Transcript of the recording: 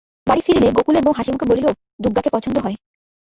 বাড়ি ফিরিলে গোকুলের বউ হাসিমুখে বলিল, দুগগাকে পছন্দ হয়।